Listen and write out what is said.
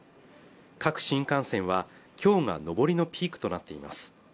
各新幹線は今日が上りのピークとなっています